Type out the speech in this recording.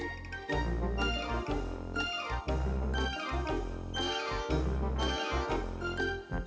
seru apa ini